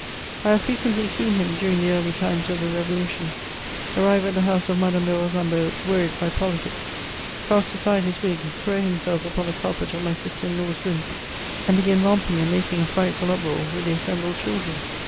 I have frequently seen him, during the early times of the Revolution, arrive at the house of Madame de Rosambo, worried by politics — cast aside his wig, throw himself upon the carpet of my sister in law's room, and begin romping and making a frightful uproar with the assembled children.